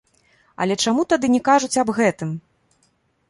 Але чаму тады не кажуць аб гэтым?